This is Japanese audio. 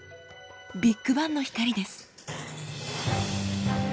ビッグバンの光です。